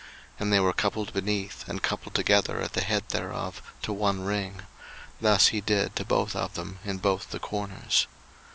02:036:029 And they were coupled beneath, and coupled together at the head thereof, to one ring: thus he did to both of them in both the corners.